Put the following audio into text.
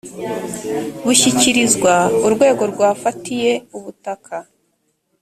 bushyikirizwa urwego rwafatiriye ubutaka